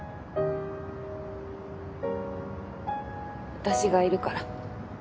私がいるから。